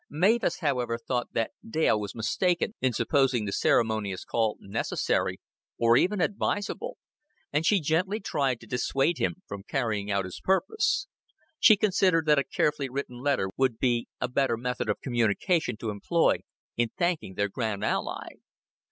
Mavis, however, thought that Dale was mistaken in supposing the ceremonious call necessary or even advisable, and she gently tried to dissuade him from carrying out his purpose. She considered that a carefully written letter would be a better method of communication to employ in thanking their grand ally.